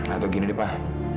atau gini pak